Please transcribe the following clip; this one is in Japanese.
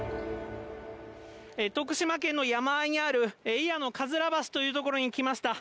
徳島県の山あいにある、祖谷のかずら橋という所に来ました。